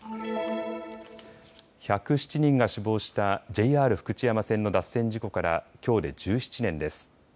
１０７人が死亡したＪＲ福知山線の脱線事故からきょうで１７年です。